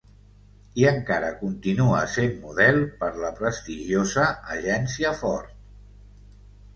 I encara continua sent model per la prestigiosa Agencia Ford.